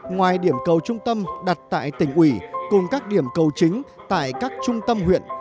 ngoài điểm cầu trung tâm đặt tại tỉnh ủy cùng các điểm cầu chính tại các trung tâm huyện